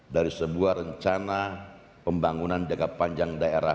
dari sebuah rencana pembangunan jaga panjang daerah daerah